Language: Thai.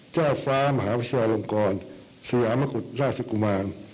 เจ้าฟ้ามหาวิทยาลงกรสยามกุฎราชกุมาร